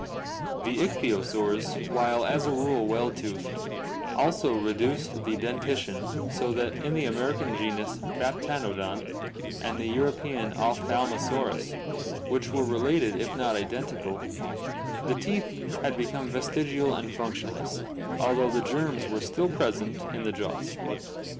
The ichthyosaurs, while as a rule well toothed, also reduced the dentition so that in the American genus Baptanodon and the Euro pean Opkthaltnosaurus, which were related if not identical, the teeth had be come vestigial and function less, although the germs were still present in the jaws.